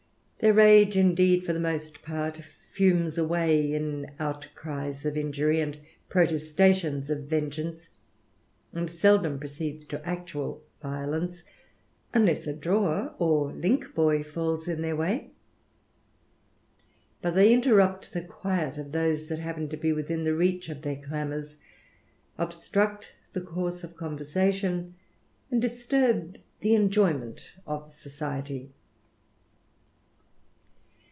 Their rage, indeed, for the most part, fumes away in outcries of injury, and protestations of vengeance, and seldom proceeds to actual violence, unless a drawer or linkboy falls in their way ; but they interrupt the quiet of those that happen to be within the reach of their clamours, obstruct the course of conversation, and disturb the enjoyment of society.